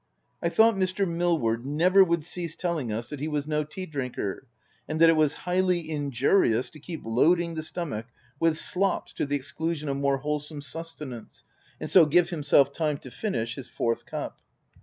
I thought Mr. Mill ward never would cease telling us that he was no tea drinker, and that it was highly injurious to keep loading the stomach with slops to the exclusion of more wholesome sustenance, and so give himself time to finish his fourth cup.